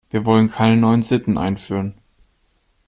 Wir wollen keine neuen Sitten einführen.